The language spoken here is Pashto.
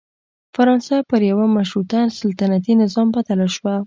فرانسه پر یوه مشروط سلطنتي نظام بدله شوه.